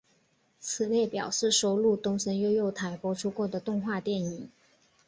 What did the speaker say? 此列表示收录东森幼幼台播出过的动画电影。